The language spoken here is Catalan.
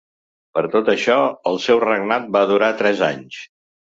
Per tot això el seu regnat va durar tres anys.